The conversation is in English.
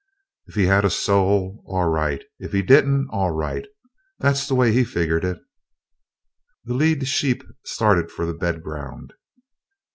If he had a soul, all right; if he didn't, all right; that's the way he figgered it. The lead sheep started for the bed ground.